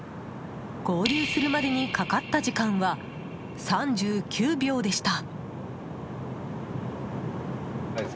合流するまでにかかった時間は３９秒でした。